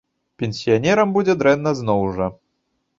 Пенсіянерам будзе дрэнна, зноў жа.